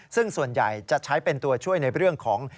ซึ่งส่วนใหญ่จะใช้เป็นตัวช่วยในเรื่องของ